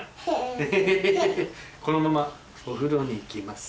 このままお風呂に行きます。